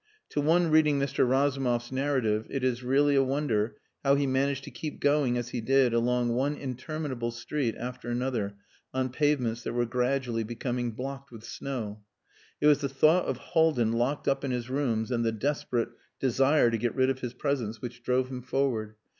To one reading Mr. Razumov's narrative it is really a wonder how he managed to keep going as he did along one interminable street after another on pavements that were gradually becoming blocked with snow. It was the thought of Haldin locked up in his rooms and the desperate desire to get rid of his presence which drove him forward.